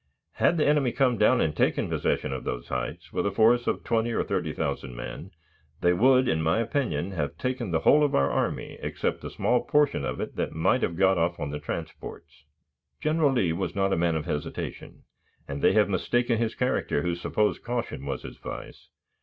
Had the enemy come down and taken possession of those heights with a force of twenty or thirty thousand men, they would, in my opinion, have taken the whole of our army except that small portion of it that might have got off on the transports." General Lee was not a man of hesitation, and they have mistaken his character who suppose caution was his vice.